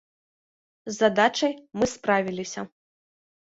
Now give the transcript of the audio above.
З задачай мы справіліся.